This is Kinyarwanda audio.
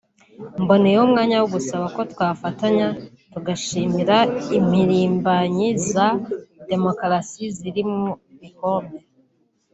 Mboneyemo umwanya wo gusaba ko twafatanya tugashimira impirimbanyi za demokarasi ziri mu bihome